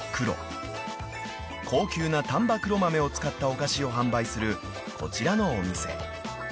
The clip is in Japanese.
［高級な丹波黒豆を使ったお菓子を販売するこちらのお店］